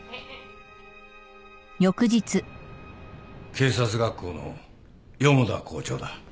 警察学校の四方田校長だ。